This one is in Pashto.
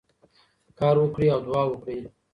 کار وکړئ او دعا وکړئ.